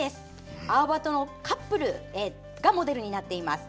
アオバトのカップルがモデルになっています。